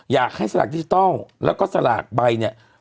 อยากให้สลากดิจิทัลแล้วก็สลากใบเนี่ย